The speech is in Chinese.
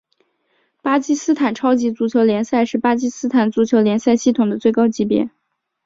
巴基斯坦超级足球联赛是巴基斯坦足球联赛系统的最高级别。